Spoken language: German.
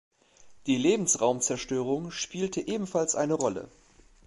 Die Lebensraumzerstörung spielte ebenfalls eine Rolle.